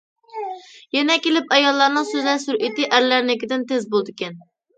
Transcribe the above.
يەنە كېلىپ ئاياللارنىڭ سۆزلەش سۈرئىتى ئەرلەرنىڭكىدىن تېز بولىدىكەن.